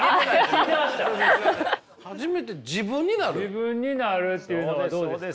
自分なるっていうのはどうですか。